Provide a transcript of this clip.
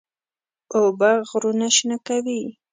اوبه غرونه شنه کوي.